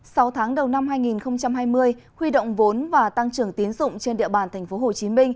sau tháng đầu năm hai nghìn hai mươi huy động vốn và tăng trưởng tiến dụng trên địa bàn tp hcm